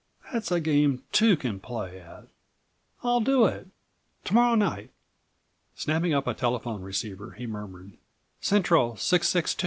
That's a game two can play at. I'll do it! To morrow night." Snapping up a telephone receiver he murmured: "Central 662."